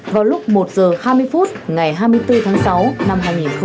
vào lúc một h hai mươi phút ngày hai mươi bốn tháng sáu năm hai nghìn một mươi một